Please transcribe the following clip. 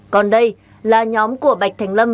còn đây là nhóm của bạch thành lâm